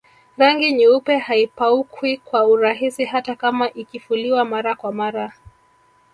Rangi nyeupe haipauki kwa urahisi hata kama ikifuliwa mara kwa mara